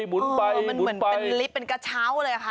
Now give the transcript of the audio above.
มันเหมือนเป็นลิฟต์เป็นกระเช้าเลยค่ะ